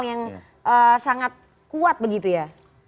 yang sangat kuat begitu ya